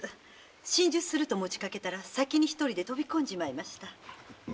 心中すると持ちかけたら先に一人で飛び込んじまいました。